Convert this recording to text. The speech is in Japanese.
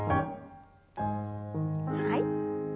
はい。